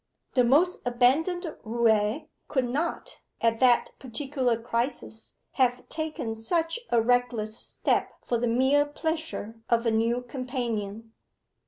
The most abandoned roue could not, at that particular crisis, have taken such a reckless step for the mere pleasure of a new companion.